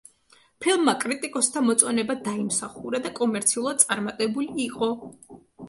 ფილმმა კრიტიკოსთა მოწონება დაიმსახურა და კომერციულად წარმატებული იყო.